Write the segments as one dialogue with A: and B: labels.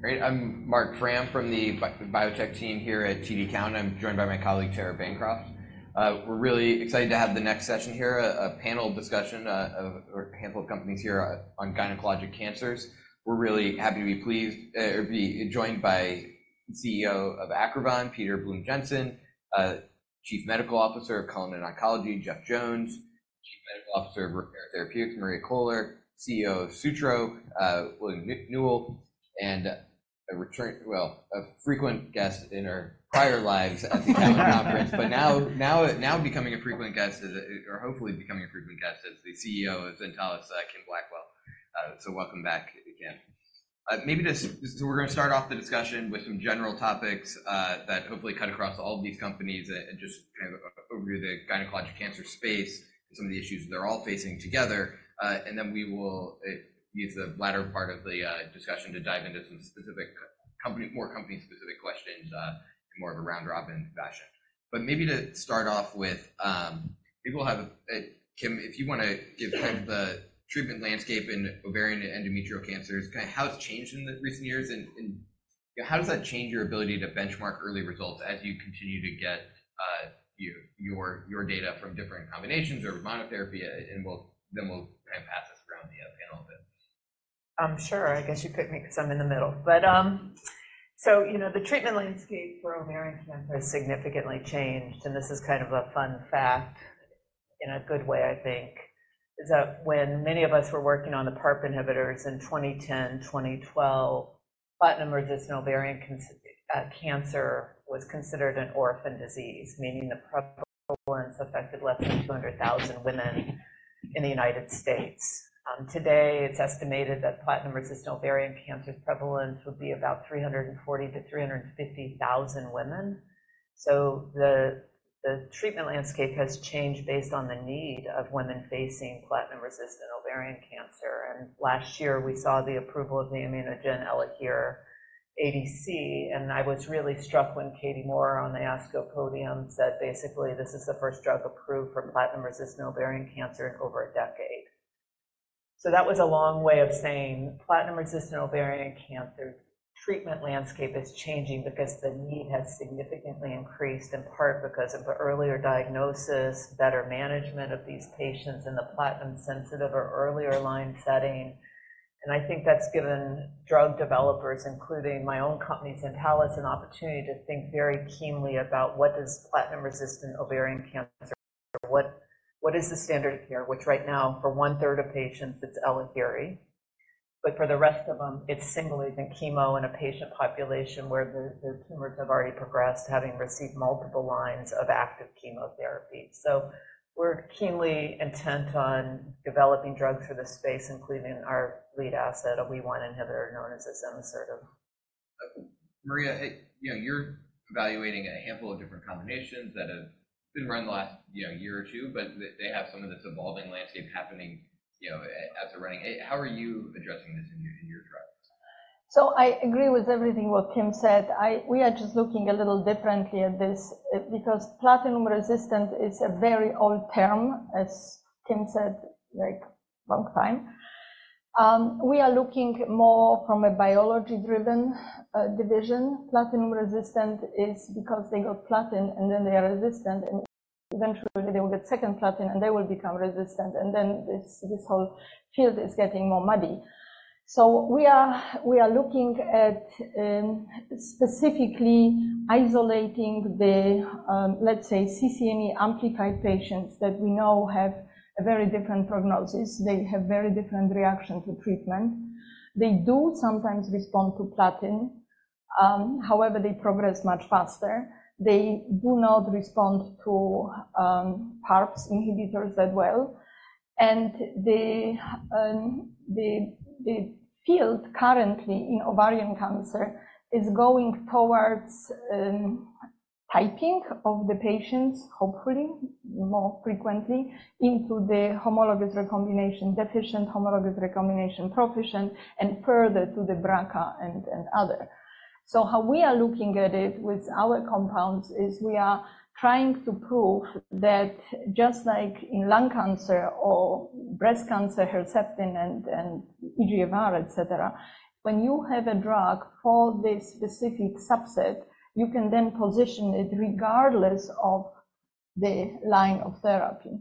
A: Great. I'm Marc Frahm from the biotech team here at TD Cowen. I'm joined by my colleague, Tara Bancroft. We're really excited to have the next session here, a panel discussion of a handful of companies here on gynecologic cancers. We're really happy to be joined by CEO of Acrivon, Peter Blume-Jensen; Chief Medical Officer of Cullinan Therapeutics, Jeffrey Jones; Chief Medical Officer of Repare Therapeutics, Maria Koehler; CEO of Sutro Biopharma, William Newell; and a frequent guest in our prior lives at the conference, but now becoming a frequent guest is, or hopefully becoming a frequent guest, as the CEO of Zentalis Pharmaceuticals, Kimberly Blackwell. So welcome back again. So we're going to start off the discussion with some general topics that hopefully cut across all of these companies and just kind of overview the gynecologic cancer space and some of the issues they're all facing together. And then we will use the latter part of the discussion to dive into some specific, more company-specific questions in more of a round-robin fashion. But maybe to start off with, maybe we'll have Kim, if you want to give kind of the treatment landscape in ovarian and endometrial cancers, kind of how it's changed in the recent years, and how does that change your ability to benchmark early results as you continue to get your data from different combinations or monotherapy? And then we'll kind of pass this around the panel a bit.
B: Sure. I guess you could meet because I'm in the middle. But so the treatment landscape for ovarian cancer has significantly changed. And this is kind of a fun fact in a good way, I think, is that when many of us were working on the PARP inhibitors in 2010, 2012, platinum resistant ovarian cancer was considered an orphan disease, meaning the prevalence affected less than 200,000 women in the United States. Today, it's estimated that platinum resistant ovarian cancer prevalence would be about 340,000-350,000 women. So the treatment landscape has changed based on the need of women facing platinum resistant ovarian cancer. And last year, we saw the approval of the ImmunoGen Elahere ADC. And I was really struck when Kathleen Moore on the ASCO podium said, basically, this is the first drug approved for platinum resistant ovarian cancer in over a decade. So that was a long way of saying platinum-resistant ovarian cancer treatment landscape is changing because the need has significantly increased, in part because of earlier diagnosis, better management of these patients in the platinum-sensitive or earlier line setting. And I think that's given drug developers, including my own company, Zentalis, an opportunity to think very keenly about what does platinum-resistant ovarian cancer mean? What is the standard of care? Which right now, for one-third of patients, it's Elahere. But for the rest of them, it's single agent chemo in a patient population where the tumors have already progressed to having received multiple lines of active chemotherapy. So we're keenly intent on developing drugs for this space, including our lead asset, a WEE1 inhibitor known as azenosertib.
A: Maria, you're evaluating a handful of different combinations that have been running the last year or two, but they have some of this evolving landscape happening as they're running. How are you addressing this in your drugs?
C: So I agree with everything what Kim said. We are just looking a little differently at this because platinum-resistant is a very old term, as Kim said, a long time. We are looking more from a biology-driven division. Platinum-resistant is because they got platinum, and then they are resistant. And eventually, they will get second platinum, and they will become resistant. And then this whole field is getting more muddy. So we are looking at specifically isolating the, let's say, CCNE1 amplified patients that we know have a very different prognosis. They have very different reactions to treatment. They do sometimes respond to platinum. However, they progress much faster. They do not respond to PARPs inhibitors that well. And the field currently in ovarian cancer is going towards typing of the patients, hopefully more frequently, into the homologous recombination deficient, homologous recombination proficient, and further to the BRCA and other. So how we are looking at it with our compounds is we are trying to prove that just like in lung cancer or breast cancer, Herceptin and EGFR, etc., when you have a drug for this specific subset, you can then position it regardless of the line of therapy.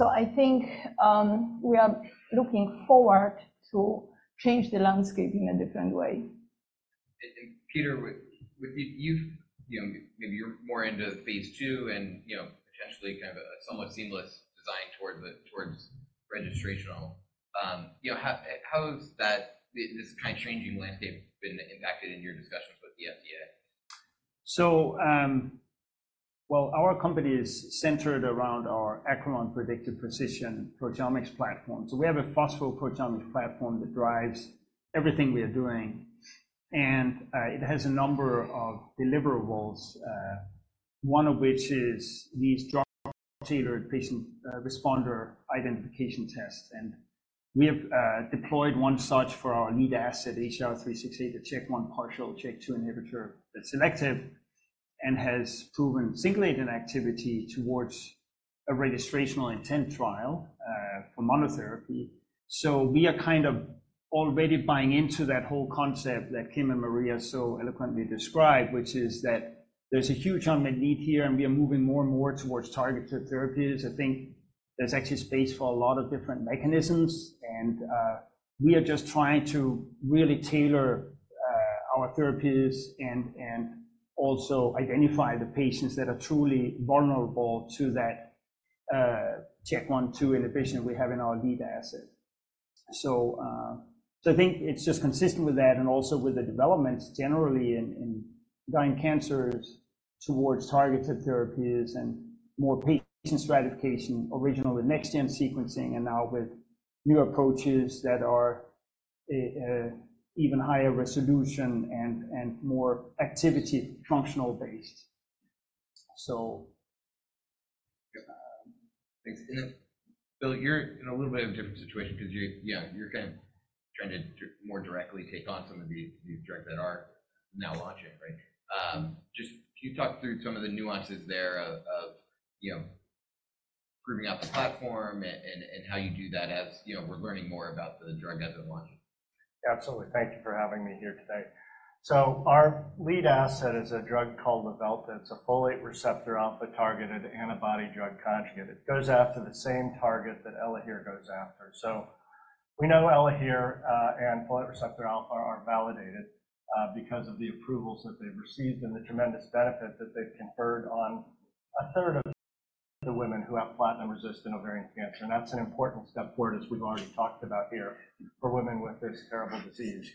C: I think we are looking forward to changing the landscape in a different way.
A: Peter, maybe you're more into phase two and potentially kind of a somewhat seamless design towards registrational. How has this kind of changing landscape been impacted in your discussions with the FDA?
D: Well, our company is centered around our Acrivon Predictive Precision Proteomics platform. So we have a phosphoproteomics platform that drives everything we are doing. And it has a number of deliverables, one of which is these drug-tailored patient responder identification tests. And we have deployed one such for our lead asset, ACR-368, a CHK1 partial CHK2 inhibitor that's selective and has proven single agent activity towards a registrational intent trial for monotherapy. So we are kind of already buying into that whole concept that Kim and Maria so eloquently described, which is that there's a huge unmet need here, and we are moving more and more towards targeted therapies. I think there's actually space for a lot of different mechanisms. And we are just trying to really tailor our therapies and also identify the patients that are truly vulnerable to that CHK1, CHK2 inhibition we have in our lead asset. So I think it's just consistent with that and also with the developments generally in gynecologic cancers towards targeted therapies and more patient stratification, originally next-gen sequencing, and now with new approaches that are even higher resolution and more activity functional-based.
A: Bill, you're in a little bit of a different situation because you're kind of trying to more directly take on some of these drugs that are now launching, right? Just can you talk through some of the nuances there of proving out the platform and how you do that as we're learning more about the drug as it launches?
E: Absolutely. Thank you for having me here today. Our lead asset is a drug called Luvelta. It's a folate receptor alpha targeted antibody drug conjugate. It goes after the same target that Elahere goes after. We know Elahere and folate receptor alpha are validated because of the approvals that they've received and the tremendous benefit that they've conferred on a third of the women who have platinum-resistant ovarian cancer. And that's an important step forward, as we've already talked about here, for women with this terrible disease.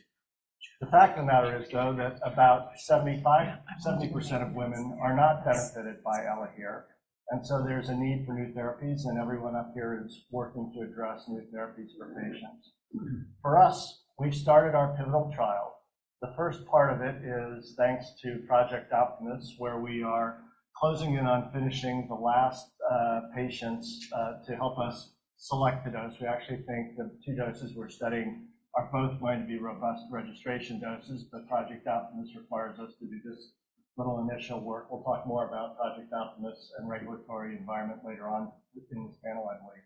E: The fact of the matter is, though, that about 75, 70% of women are not benefited by Elahere. And so there's a need for new therapies, and everyone up here is working to address new therapies for patients. For us, we started our pivotal trial. The first part of it is thanks to Project Optimus, where we are closing in on finishing the last patients to help us select the dose. We actually think the two doses we're studying are both going to be robust registration doses. But Project Optimus requires us to do this little initial work. We'll talk more about Project Optimus and regulatory environment later on in this panel, I believe.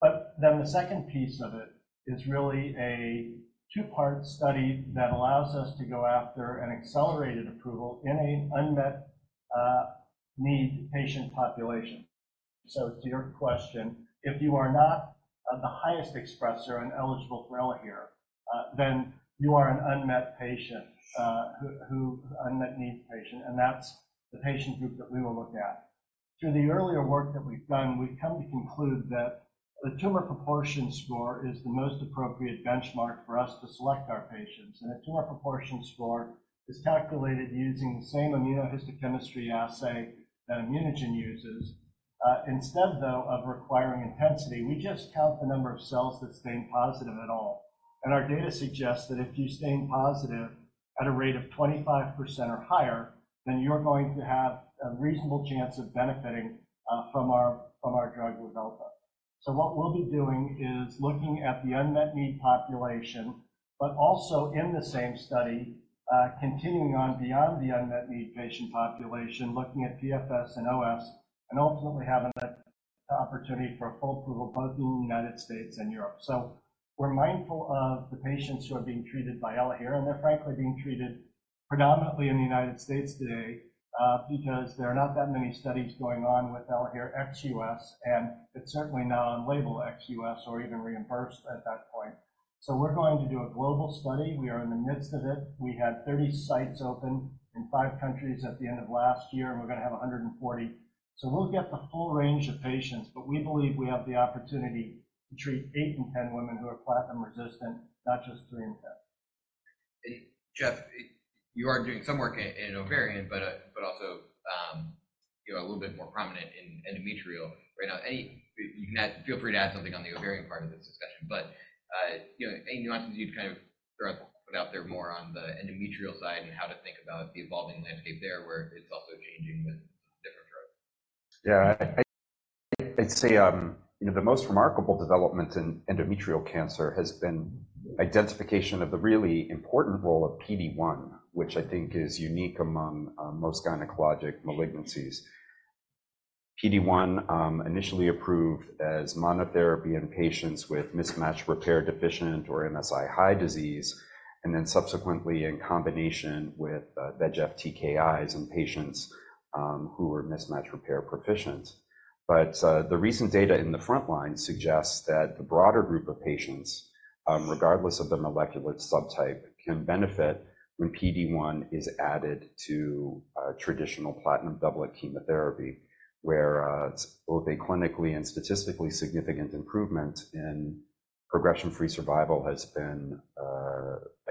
E: But then the second piece of it is really a two-part study that allows us to go after an accelerated approval in an unmet-need patient population. So to your question, if you are not the highest expressor and eligible for Elahere, then you are an unmet patient, an unmet-needs patient. And that's the patient group that we will look at. Through the earlier work that we've done, we've come to conclude that the Tumor Proportion Score is the most appropriate benchmark for us to select our patients. A Tumor Proportion Score is calculated using the same immunohistochemistry assay that ImmunoGen uses. Instead, though, of requiring intensity, we just count the number of cells that stay positive at all. Our data suggests that if you stay positive at a rate of 25% or higher, then you're going to have a reasonable chance of benefiting from our drug, Luvelta. What we'll be doing is looking at the unmet-need population, but also in the same study, continuing on beyond the unmet-need patient population, looking at PFS and OS, and ultimately having the opportunity for full approval both in the United States and Europe. So we're mindful of the patients who are being treated by Elahere, and they're frankly being treated predominantly in the United States today because there are not that many studies going on with Elahere ex-US, and it's certainly not on label ex-US or even reimbursed at that point. So we're going to do a global study. We are in the midst of it. We had 30 sites open in 5 countries at the end of last year, and we're going to have 140. So we'll get the full range of patients, but we believe we have the opportunity to treat 8 in 10 women who are platinum-resistant, not just 3 in 10.
A: Jeff, you are doing some work in ovarian, but also a little bit more prominent in endometrial right now. Feel free to add something on the ovarian part of this discussion, but any nuances you'd kind of put out there more on the endometrial side and how to think about the evolving landscape there where it's also changing with different drugs?
F: Yeah, I'd say the most remarkable development in endometrial cancer has been identification of the really important role of PD-1, which I think is unique among most gynecologic malignancies. PD-1 initially approved as monotherapy in patients with mismatch repair deficient or MSI high disease, and then subsequently in combination with VEGF TKIs in patients who were mismatch repair proficient. But the recent data in the front line suggests that the broader group of patients, regardless of the molecular subtype, can benefit when PD-1 is added to traditional platinum doublet chemotherapy, where both a clinically and statistically significant improvement in progression-free survival has been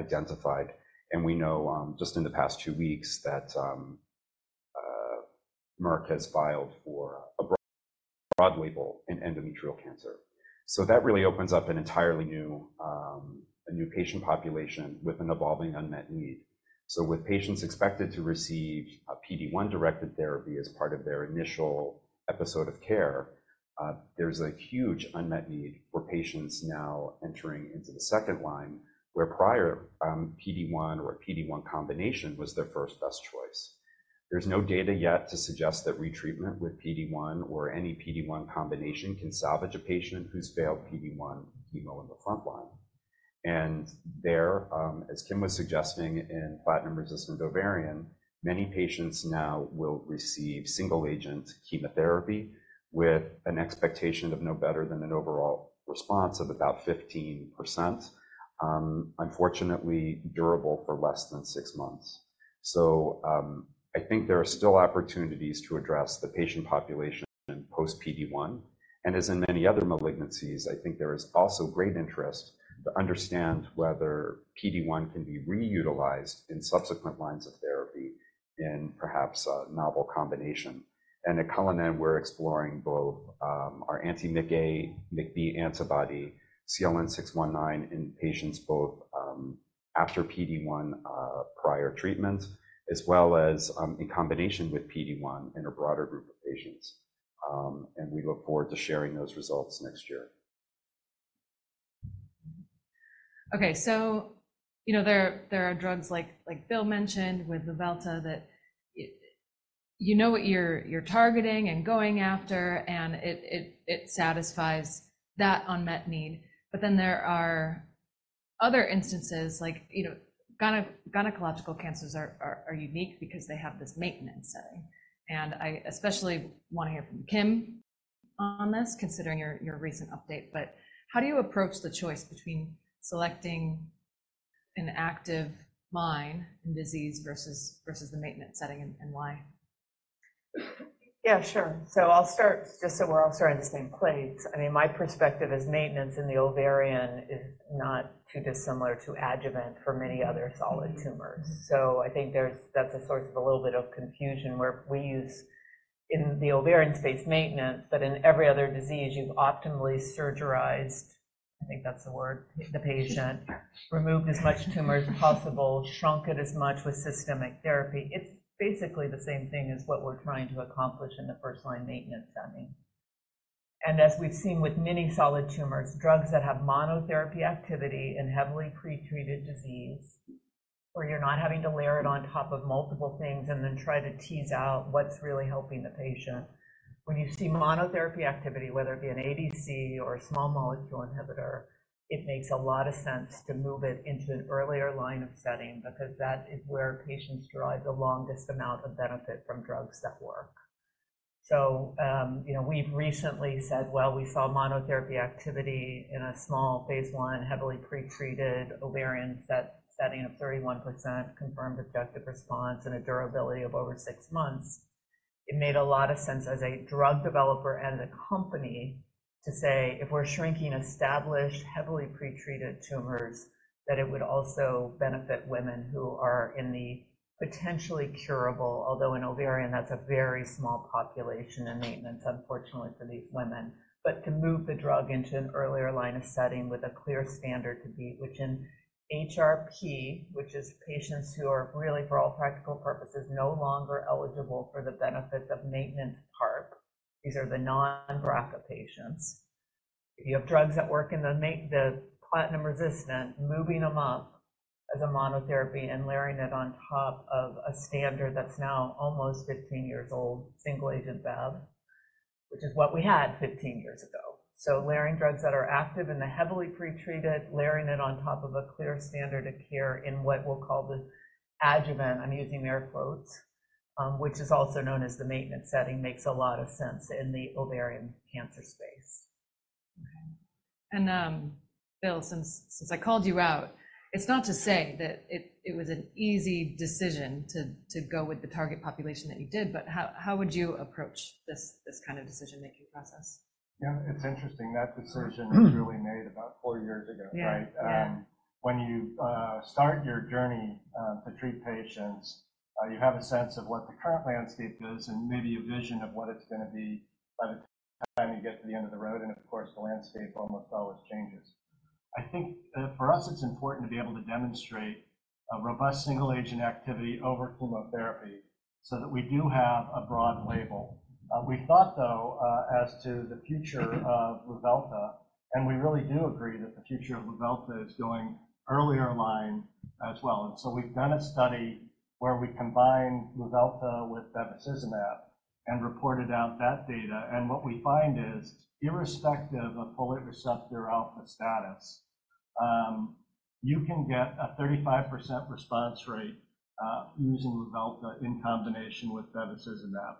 F: identified. And we know just in the past two weeks that Merck has filed for a broad label in endometrial cancer. So that really opens up an entirely new patient population with an evolving unmet need. So with patients expected to receive PD-1-directed therapy as part of their initial episode of care, there's a huge unmet need for patients now entering into the second line, where prior PD-1 or a PD-1 combination was their first best choice. There's no data yet to suggest that retreatment with PD-1 or any PD-1 combination can salvage a patient who's failed PD-1 chemo in the front line. And there, as Kim was suggesting in platinum-resistant ovarian, many patients now will receive single-agent chemotherapy with an expectation of no better than an overall response of about 15%, unfortunately durable for less than six months. So I think there are still opportunities to address the patient population post-PD-1. And as in many other malignancies, I think there is also great interest to understand whether PD-1 can be reutilized in subsequent lines of therapy in perhaps a novel combination. At Cullinan, we're exploring both our anti-MICA/MICB antibody, CLN-619 in patients both after PD-1 prior treatment as well as in combination with PD-1 in a broader group of patients. We look forward to sharing those results next year.
G: Okay, so there are drugs like Bill mentioned with Luvelta that you know what you're targeting and going after, and it satisfies that unmet need. But then there are other instances, like gynecological cancers are unique because they have this maintenance setting. And I especially want to hear from Kim on this, considering your recent update. But how do you approach the choice between selecting a frontline in disease versus the maintenance setting, and why?
B: Yeah, sure. So I'll start just so we're all starting on the same page. I mean, my perspective is maintenance in the ovarian is not too dissimilar to adjuvant for many other solid tumors. So I think that's a source of a little bit of confusion where we use in the ovarian space maintenance, but in every other disease, you've optimally surgerized, I think that's the word, the patient, removed as much tumor as possible, shrunk it as much with systemic therapy. It's basically the same thing as what we're trying to accomplish in the first-line maintenance setting. And as we've seen with many solid tumors, drugs that have monotherapy activity in heavily pretreated disease, where you're not having to layer it on top of multiple things and then try to tease out what's really helping the patient, when you see monotherapy activity, whether it be an ADC or a small molecule inhibitor, it makes a lot of sense to move it into an earlier line of setting because that is where patients derive the longest amount of benefit from drugs that work. So we've recently said, well, we saw monotherapy activity in a small phase 1, heavily pretreated ovarian setting of 31% confirmed objective response and a durability of over six months. It made a lot of sense as a drug developer and a company to say, if we're shrinking established, heavily pretreated tumors, that it would also benefit women who are in the potentially curable, although in ovarian, that's a very small population in maintenance, unfortunately for these women, but to move the drug into an earlier line of setting with a clear standard to beat, which in HRP, which is patients who are really, for all practical purposes, no longer eligible for the benefit of maintenance PARP. These are the non-BRCA patients. If you have drugs that work in the platinum-resistant, moving them up as a monotherapy and layering it on top of a standard that's now almost 15 years old, single-agent Bev, which is what we had 15 years ago. So, layering drugs that are active in the heavily pretreated, layering it on top of a clear standard of care in what we'll call the adjuvant, I'm using air quotes, which is also known as the maintenance setting, makes a lot of sense in the ovarian cancer space.
G: Bill, since I called you out, it's not to say that it was an easy decision to go with the target population that you did, but how would you approach this kind of decision-making process?
E: Yeah, it's interesting. That decision was really made about 4 years ago, right? When you start your journey to treat patients, you have a sense of what the current landscape is and maybe a vision of what it's going to be by the time you get to the end of the road. And of course, the landscape almost always changes. I think for us, it's important to be able to demonstrate a robust single-agent activity over chemotherapy so that we do have a broad label. We thought, though, as to the future of Luvelta, and we really do agree that the future of Luvelta is going earlier line as well. And so we've done a study where we combined Luvelta with bevacizumab and reported out that data. What we find is, irrespective of folate receptor alpha status, you can get a 35% response rate using Luvelta in combination with bevacizumab.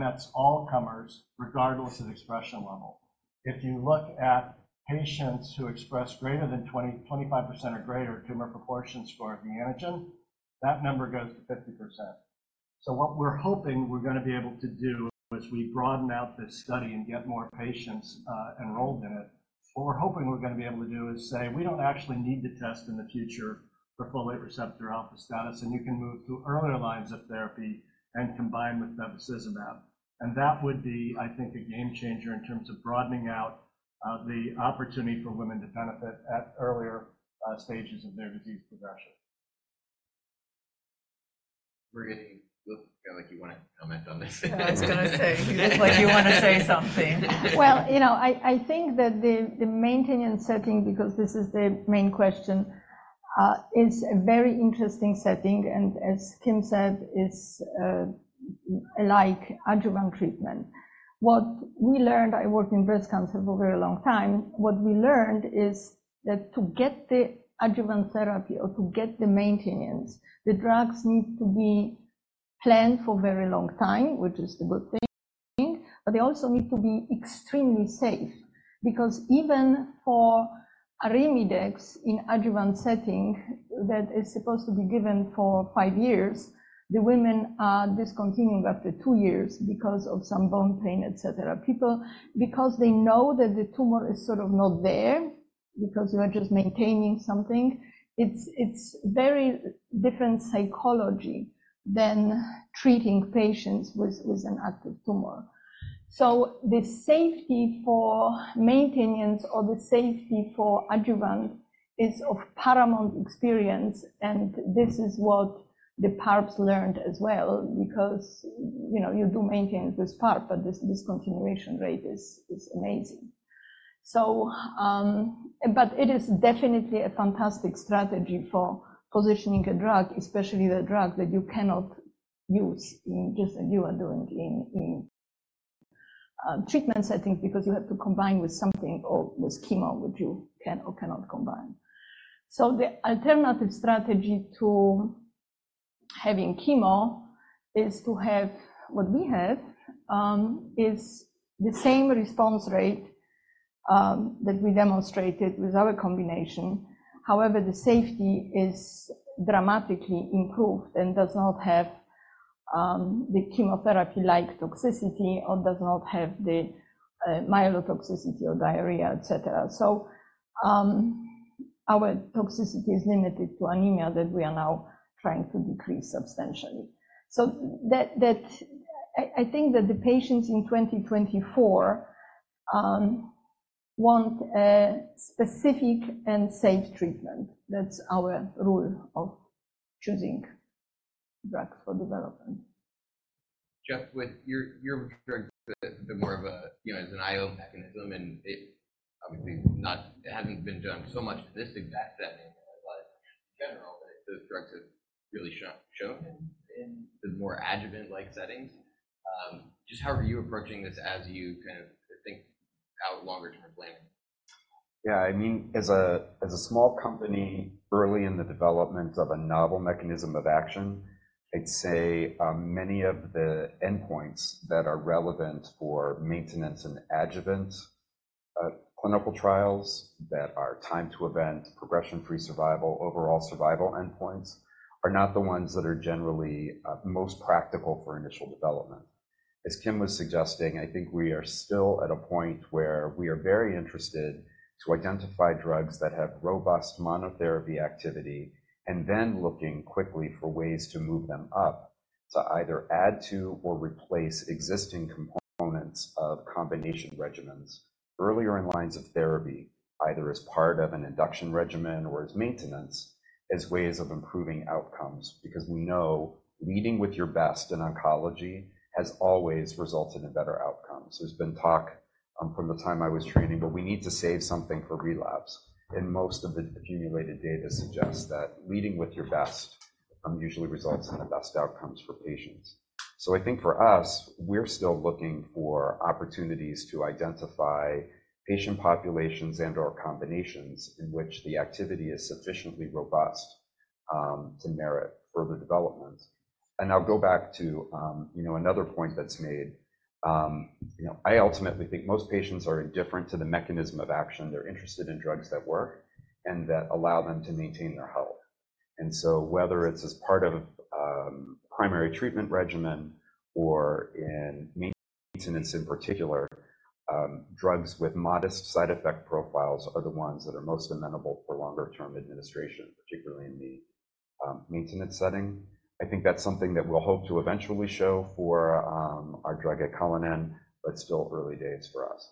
E: That's all-comers, regardless of expression level. If you look at patients who express greater than 25% or greater Tumor Proportion Score of the antigen, that number goes to 50%. So what we're hoping we're going to be able to do as we broaden out this study and get more patients enrolled in it, what we're hoping we're going to be able to do is say, we don't actually need to test in the future for folate receptor alpha status, and you can move to earlier lines of therapy and combine with bevacizumab. And that would be, I think, a game changer in terms of broadening out the opportunity for women to benefit at earlier stages of their disease progression.
A: Brigitte, you feel like you want to comment on this?
G: I was going to say, you look like you want to say something.
C: Well, I think that the maintenance setting, because this is the main question, is a very interesting setting. As Kim said, it's like adjuvant treatment. What we learned, I worked in breast cancer for a very long time, what we learned is that to get the adjuvant therapy or to get the maintenance, the drugs need to be planned for a very long time, which is the good thing. But they also need to be extremely safe because even for Arimidex in adjuvant setting that is supposed to be given for five years, the women are discontinuing after two years because of some bone pain, etc. People, because they know that the tumor is sort of not there because you are just maintaining something, it's very different psychology than treating patients with an active tumor. So the safety for maintenance or the safety for adjuvant is of paramount importance. This is what the PARPs learned as well because you do maintain this PARP, but this discontinuation rate is amazing. But it is definitely a fantastic strategy for positioning a drug, especially the drug that you cannot use just like you are doing in treatment settings because you have to combine with something or with chemo, which you can or cannot combine. So the alternative strategy to having chemo is to have what we have is the same response rate that we demonstrated with our combination. However, the safety is dramatically improved and does not have the chemotherapy-like toxicity or does not have the myelotoxicity or diarrhea, etc. So our toxicity is limited to anemia that we are now trying to decrease substantially. So I think that the patients in 2024 want a specific and safe treatment. That's our rule of choosing drugs for development.
A: Jeff, you're referring to a bit more of an IO mechanism, and it obviously hasn't been done so much in this exact setting as in general, but those drugs have really shown in the more adjuvant-like settings. Just how are you approaching this as you kind of think about longer-term planning?
F: Yeah, I mean, as a small company early in the development of a novel mechanism of action, I'd say many of the endpoints that are relevant for maintenance and adjuvant clinical trials that are time-to-event, progression-free survival, overall survival endpoints are not the ones that are generally most practical for initial development. As Kim was suggesting, I think we are still at a point where we are very interested to identify drugs that have robust monotherapy activity and then looking quickly for ways to move them up to either add to or replace existing components of combination regimens earlier in lines of therapy, either as part of an induction regimen or as maintenance, as ways of improving outcomes because we know leading with your best in oncology has always resulted in better outcomes. There's been talk from the time I was training, but we need to save something for relapse. Most of the accumulated data suggests that leading with your best usually results in the best outcomes for patients. So I think for us, we're still looking for opportunities to identify patient populations and/or combinations in which the activity is sufficiently robust to merit further development. And I'll go back to another point that's made. I ultimately think most patients are indifferent to the mechanism of action. They're interested in drugs that work and that allow them to maintain their health. And so whether it's as part of a primary treatment regimen or in maintenance in particular, drugs with modest side effect profiles are the ones that are most amenable for longer-term administration, particularly in the maintenance setting. I think that's something that we'll hope to eventually show for our drug at Cullinan, but it's still early days for us.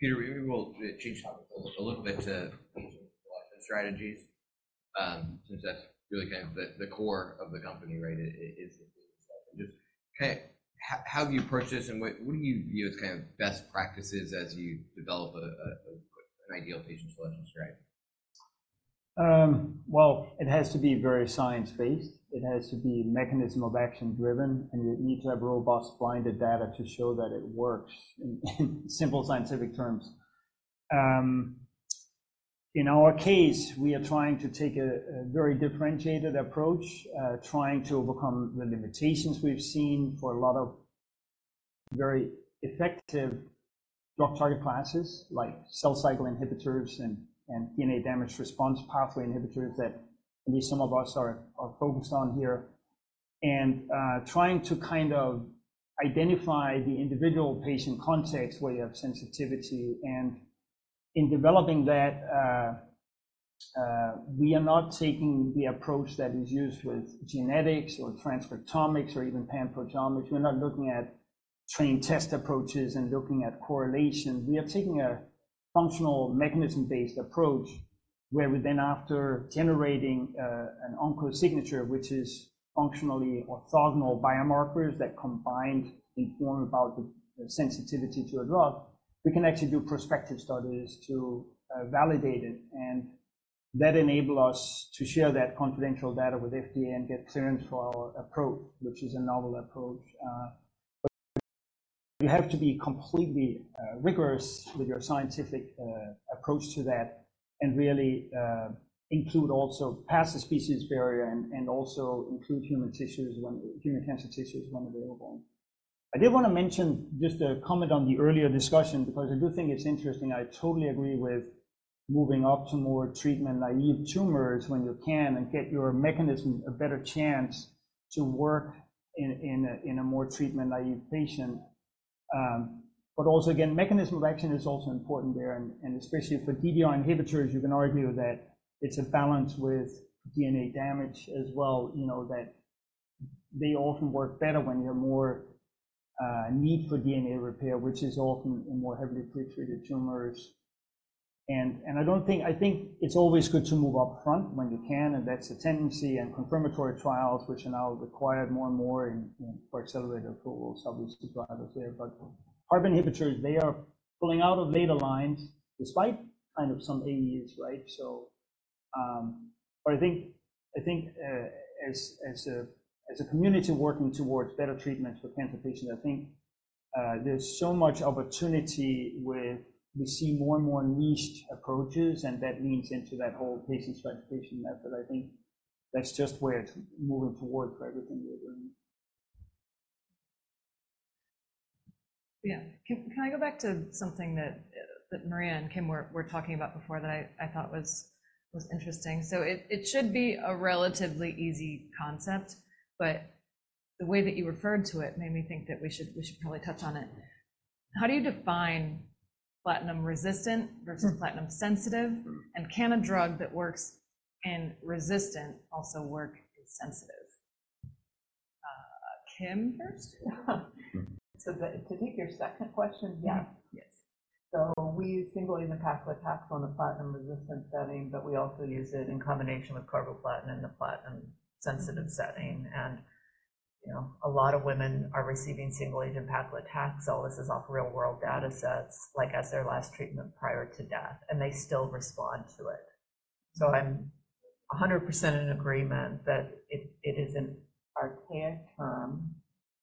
A: Peter, maybe we'll change topics a little bit to patient selection strategies since that's really kind of the core of the company, right? Just kind of how do you approach this and what do you view as kind of best practices as you develop an ideal patient selection strategy?
D: Well, it has to be very science-based. It has to be mechanism-of-action-driven, and you need to have robust, blinded data to show that it works in simple scientific terms. In our case, we are trying to take a very differentiated approach, trying to overcome the limitations we've seen for a lot of very effective drug target classes like cell cycle inhibitors and DNA damage response pathway inhibitors that at least some of us are focused on here, and trying to kind of identify the individual patient context where you have sensitivity. And in developing that, we are not taking the approach that is used with genetics or transcriptomics or even pan-proteomics. We're not looking at trained test approaches and looking at correlation. We are taking a functional mechanism-based approach where we then, after generating an OncoSignature, which is functionally orthogonal biomarkers that combine inform about the sensitivity to a drug, we can actually do prospective studies to validate it. That enables us to share that confidential data with FDA and get clearance for our approach, which is a novel approach. You have to be completely rigorous with your scientific approach to that and really include also past the species barrier and also include human tissues, human cancer tissues when available. I did want to mention just a comment on the earlier discussion because I do think it's interesting. I totally agree with moving up to more treatment-naive tumors when you can and get your mechanism a better chance to work in a more treatment-naive patient. Also, again, mechanism of action is also important there. And especially for DDR inhibitors, you can argue that it's a balance with DNA damage as well, that they often work better when you have more need for DNA repair, which is often in more heavily pretreated tumors. And I don't think it's always good to move upfront when you can. And that's the tendency and confirmatory trials, which are now required more and more for accelerated approvals, obviously, drivers there. But PARP inhibitors, they are pulling out of later lines despite kind of some AEs, right? But I think as a community working towards better treatments for cancer patients, I think there's so much opportunity as we see more and more niche approaches, and that leans into that whole patient stratification method. I think that's just where it's moving towards for everything we're doing.
G: Yeah. Can I go back to something that Maria and Kim were talking about before that I thought was interesting? So it should be a relatively easy concept, but the way that you referred to it made me think that we should probably touch on it. How do you define platinum-resistant versus platinum-sensitive? And can a drug that works in resistant also work in sensitive? Kim first?
B: So to take your second question, yes. So we use single-agent paclitaxel in the platinum-resistant setting, but we also use it in combination with carboplatin in the platinum-sensitive setting. A lot of women are receiving single-agent paclitaxel. This is off real-world datasets as their last treatment prior to death, and they still respond to it. So I'm 100% in agreement that it is an archaic term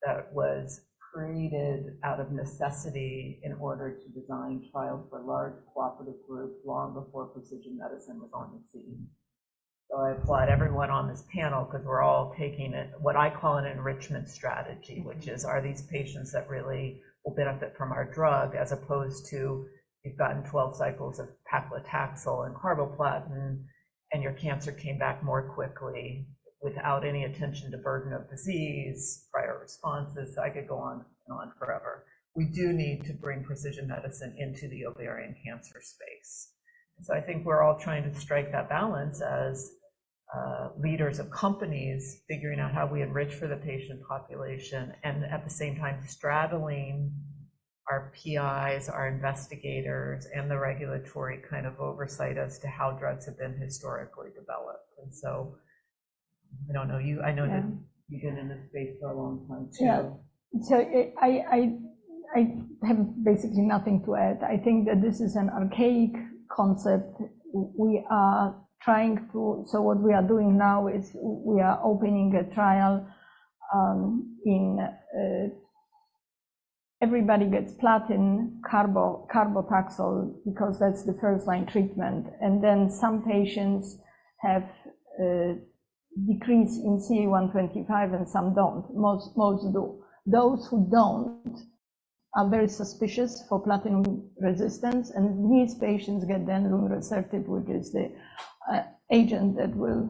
B: that was created out of necessity in order to design trials for large cooperative groups long before precision medicine was on the scene. So I applaud everyone on this panel because we're all taking it what I call an enrichment strategy, which is, are these patients that really will benefit from our drug as opposed to you've gotten 12 cycles of paclitaxel and carboplatin, and your cancer came back more quickly without any attention to burden of disease, prior responses? I could go on and on forever. We do need to bring precision medicine into the ovarian cancer space. I think we're all trying to strike that balance as leaders of companies, figuring out how we enrich for the patient population and at the same time straddling our PIs, our investigators, and the regulatory kind of oversight as to how drugs have been historically developed. I don't know. I know that you've been in this space for a long time too.
C: Yeah. So I have basically nothing to add. I think that this is an archaic concept. So what we are doing now is we are opening a trial in everybody gets platinum carboplatin because that's the first-line treatment. And then some patients have decrease in CA125 and some don't. Most do. Those who don't are very suspicious for platinum resistance. And these patients get then lunresertib, which is the agent that will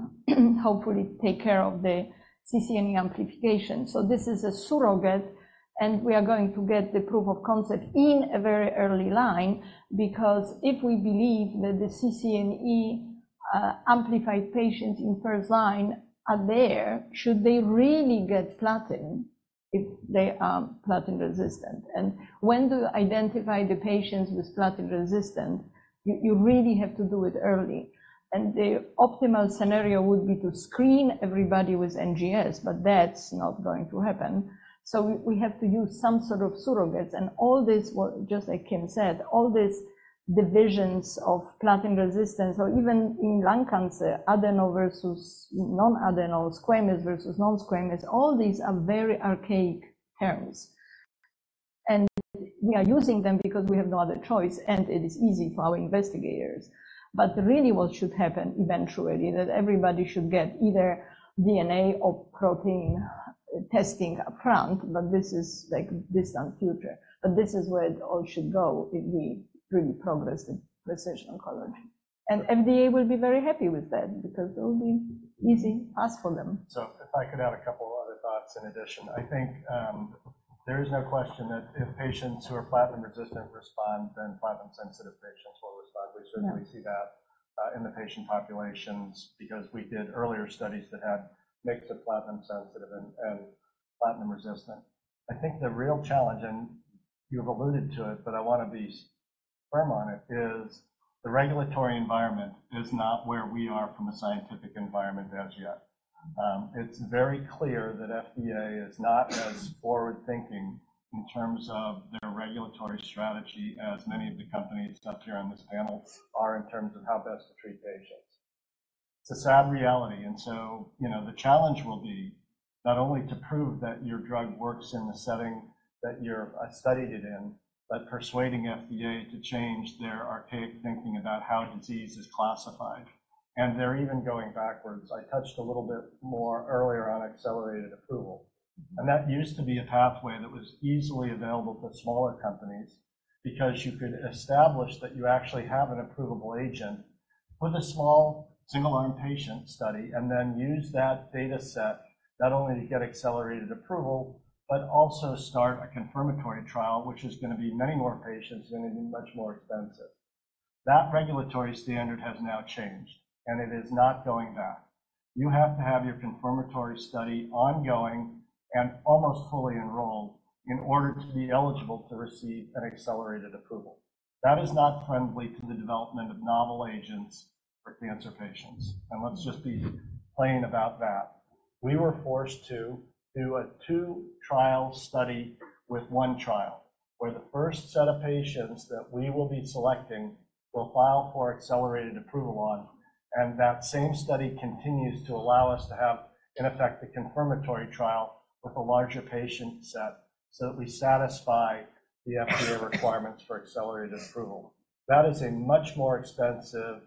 C: hopefully take care of the CCNE amplification. So this is a surrogate, and we are going to get the proof of concept in a very early line because if we believe that the CCNE-amplified patients in first line are there, should they really get platinum if they are platinum-resistant? And when do you identify the patients with platinum-resistant? You really have to do it early. The optimal scenario would be to screen everybody with NGS, but that's not going to happen. So we have to use some sort of surrogates. All this, just like Kim said, all these divisions of platinum resistance, or even in lung cancer, adeno versus non-adeno, squamous versus non-squamous, all these are very archaic terms. We are using them because we have no other choice, and it is easy for our investigators. But really, what should happen eventually is that everybody should get either DNA or protein testing upfront, but this is a distant future. But this is where it all should go if we really progress in precision oncology. FDA will be very happy with that because it will be easy path for them.
E: If I could add a couple of other thoughts in addition, I think there is no question that if patients who are platinum-resistant respond, then platinum-sensitive patients will respond. We certainly see that in the patient populations because we did earlier studies that had mix of platinum-sensitive and platinum-resistant. I think the real challenge, and you have alluded to it, but I want to be firm on it, is the regulatory environment is not where we are from a scientific environment as yet. It's very clear that FDA is not as forward-thinking in terms of their regulatory strategy as many of the companies up here on this panel are in terms of how best to treat patients. It's a sad reality. So the challenge will be not only to prove that your drug works in the setting that you're studied it in, but persuading FDA to change their archaic thinking about how disease is classified. They're even going backwards. I touched a little bit more earlier on accelerated approval. That used to be a pathway that was easily available to smaller companies because you could establish that you actually have an approvable agent, put a small single-arm patient study, and then use that dataset not only to get accelerated approval, but also start a confirmatory trial, which is going to be many more patients and going to be much more expensive. That regulatory standard has now changed, and it is not going back. You have to have your confirmatory study ongoing and almost fully enrolled in order to be eligible to receive an accelerated approval. That is not friendly to the development of novel agents for cancer patients. Let's just be plain about that. We were forced to do a two-trial study with one trial where the first set of patients that we will be selecting will file for accelerated approval on. That same study continues to allow us to have, in effect, the confirmatory trial with a larger patient set so that we satisfy the FDA requirements for accelerated approval. That is a much more expensive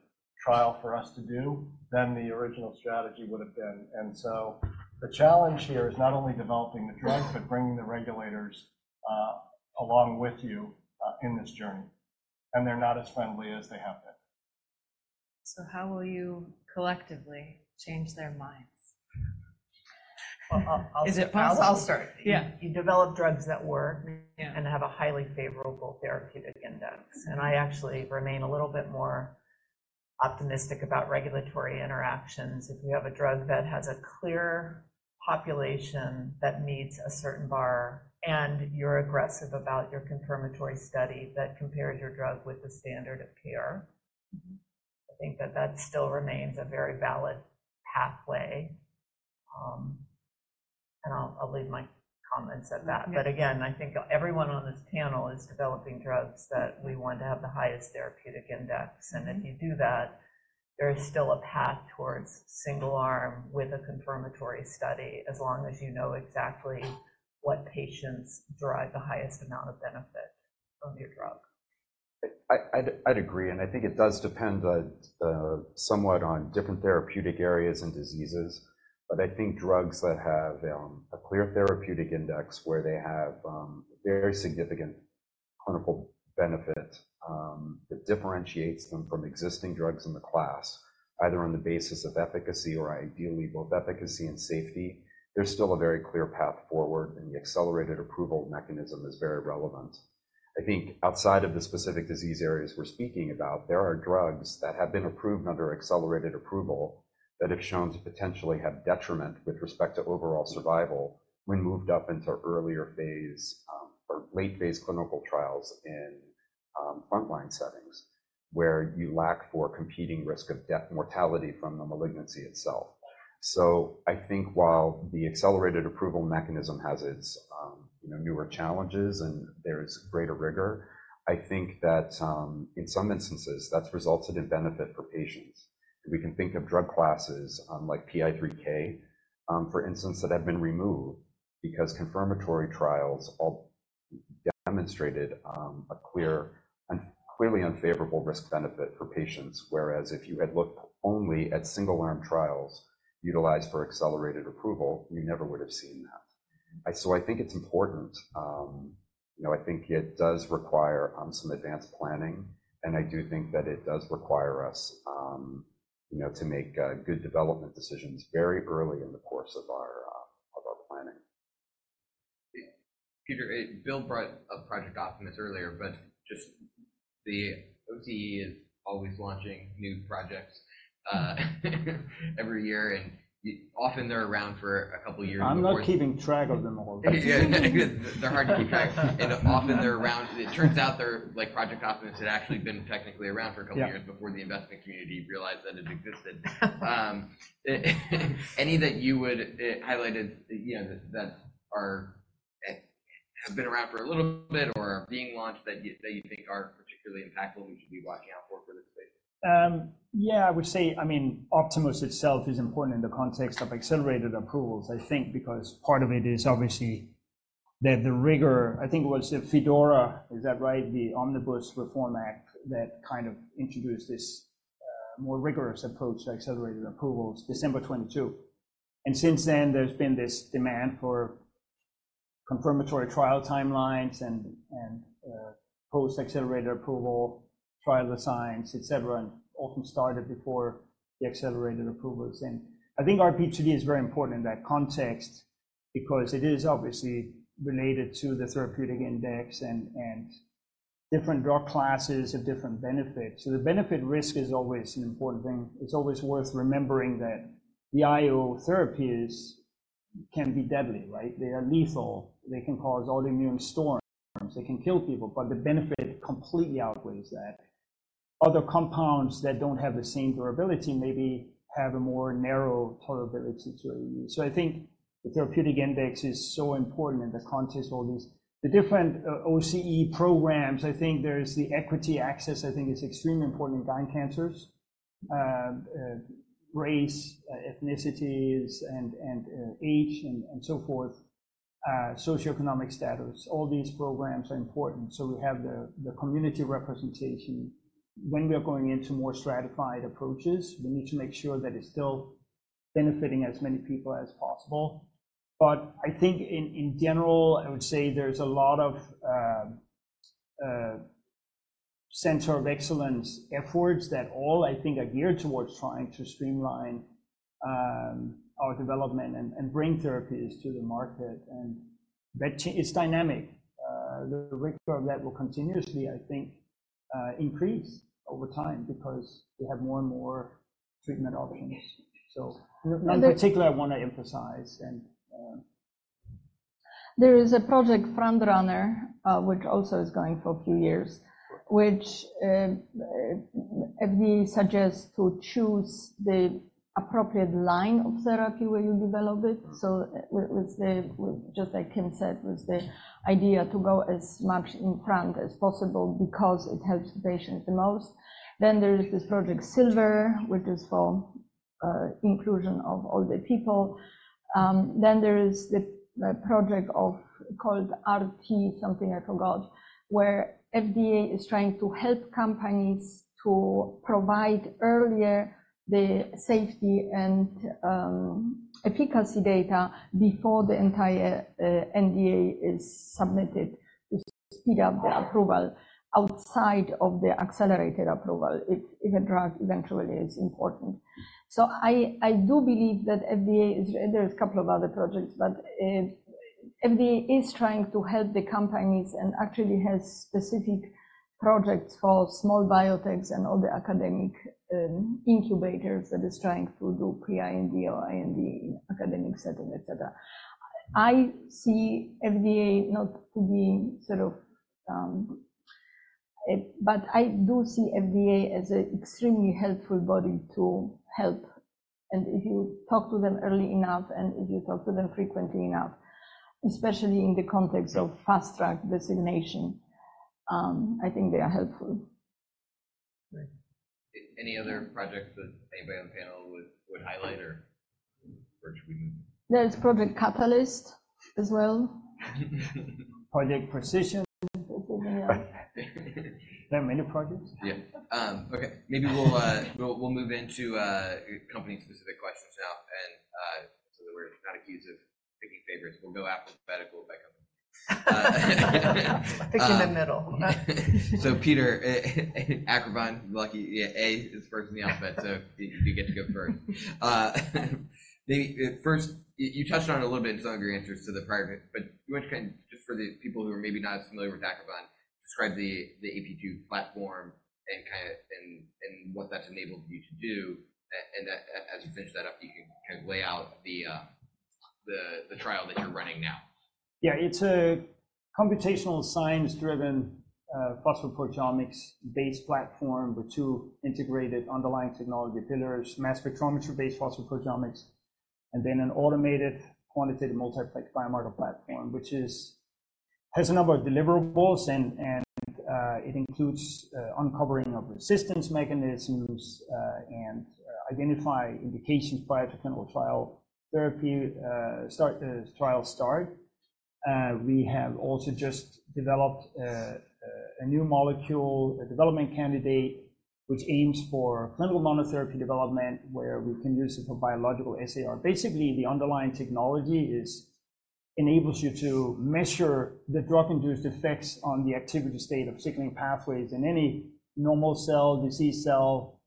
E: trial for us to do than the original strategy would have been. So the challenge here is not only developing the drug, but bringing the regulators along with you in this journey. They're not as friendly as they have been.
G: How will you collectively change their minds?
B: Well, I'll start. You develop drugs that work and have a highly favorable therapeutic index. And I actually remain a little bit more optimistic about regulatory interactions. If you have a drug that has a clear population that meets a certain bar and you're aggressive about your confirmatory study that compares your drug with the standard of care, I think that that still remains a very valid pathway. And I'll leave my comments at that. But again, I think everyone on this panel is developing drugs that we want to have the highest therapeutic index. And if you do that, there is still a path towards single-arm with a confirmatory study as long as you know exactly what patients derive the highest amount of benefit from your drug.
F: I'd agree. I think it does depend somewhat on different therapeutic areas and diseases. I think drugs that have a clear therapeutic index where they have very significant clinical benefit that differentiates them from existing drugs in the class, either on the basis of efficacy or ideally both efficacy and safety, there's still a very clear path forward, and the accelerated approval mechanism is very relevant. I think outside of the specific disease areas we're speaking about, there are drugs that have been approved under accelerated approval that have shown to potentially have detriment with respect to overall survival when moved up into earlier phase or late-phase clinical trials in frontline settings where you lack for competing risk of death mortality from the malignancy itself. So I think while the accelerated approval mechanism has its newer challenges and there is greater rigor, I think that in some instances, that's resulted in benefit for patients. We can think of drug classes like PI3K, for instance, that have been removed because confirmatory trials all demonstrated a clearly unfavorable risk-benefit for patients. Whereas if you had looked only at single-arm trials utilized for accelerated approval, you never would have seen that. I think it's important. I think it does require some advanced planning. I do think that it does require us to make good development decisions very early in the course of our planning.
C: Peter, Bill brought up Project Optimus earlier, but just the OCE is always launching new projects every year. And often, they're around for a couple of years before.
B: I'm not keeping track of them all.
C: Yeah. They're hard to keep track of. And often, they're around. It turns out Project Optimus had actually been technically around for a couple of years before the investment community realized that it existed. Any that you would highlighted that have been around for a little bit or are being launched that you think are particularly impactful and we should be watching out for this space?
D: Yeah. I would say, I mean, Optimus itself is important in the context of accelerated approvals, I think, because part of it is obviously the rigor. I think it was FDORA, is that right? The Omnibus Reform Act that kind of introduced this more rigorous approach to accelerated approvals, December 2022. And since then, there's been this demand for confirmatory trial timelines and post-accelerated approval trial designs, etc., and often started before the accelerated approvals. And I think RP2D is very important in that context because it is obviously related to the therapeutic index and different drug classes have different benefits. So the benefit-risk is always an important thing. It's always worth remembering that the IO therapies can be deadly, right? They are lethal. They can cause autoimmune storms. They can kill people. But the benefit completely outweighs that. Other compounds that don't have the same durability maybe have a more narrow tolerability to AUE. So I think the therapeutic index is so important in the context of all these. The different OCE programs, I think there's the equity access, I think, is extremely important in gyn cancers, race, ethnicities, and age, and so forth, socioeconomic status. All these programs are important. So we have the community representation. When we are going into more stratified approaches, we need to make sure that it's still benefiting as many people as possible. But I think, in general, I would say there's a lot of center of excellence efforts that all, I think, are geared towards trying to streamline our development and bring therapies to the market. And it's dynamic. The rigor of that will continuously, I think, increase over time because we have more and more treatment options. In particular, I want to emphasize.
C: There is a Project FrontRunner, which also is going for a few years, which FDA suggests to choose the appropriate line of therapy where you develop it. So just like Kim said, with the idea to go as much in front as possible because it helps the patients the most. Then there is this Project Silver, which is for inclusion of older people. Then there is the project called RTOR, where FDA is trying to help companies to provide earlier the safety and efficacy data before the entire NDA is submitted to speed up the approval outside of the accelerated approval if a drug eventually is important. So I do believe that FDA there are a couple of other projects, but FDA is trying to help the companies and actually has specific projects for small biotechs and all the academic incubators that is trying to do pre-IND or IND in academic settings, etc. I see FDA not to be sort of but I do see FDA as an extremely helpful body to help. And if you talk to them early enough and if you talk to them frequently enough, especially in the context of fast-track designation, I think they are helpful. Any other projects that anybody on the panel would highlight or which we can?
B: There's Project Catalyst as well.
E: Project Precision. There are many projects.
C: Yeah. Okay. Maybe we'll move into company-specific questions now so that we're not accused of picking favorites. We'll go alphabetical by company. Picking the middle. So Peter, Acrivon, lucky you A is first in the alphabet, so you get to go first. First, you touched on it a little bit in some of your answers to the prior, but you want to kind of just for the people who are maybe not as familiar with Acrivon, describe the AP3 platform and kind of what that's enabled you to do. And as you finish that up, you can kind of lay out the trial that you're running now.
D: Yeah. It's a computational science-driven phosphoproteomics-based platform with two integrated underlying technology pillars, mass spectrometry-based phosphoproteomics, and then an automated quantitative multiplex biomarker platform, which has a number of deliverables. And it includes uncovering of resistance mechanisms and identifying indications prior to clinical trial therapy trial start. We have also just developed a new molecule, a development candidate, which aims for clinical monotherapy development where we can use it for biological SAR. Basically, the underlying technology enables you to measure the drug-induced effects on the activity state of signaling pathways in any normal cell, disease cell.